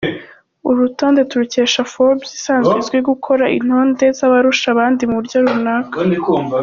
Uru rutonde turukesha Forbes isanzwe izwiho gukora intonde z’abarusha abandi mu buryo runaka.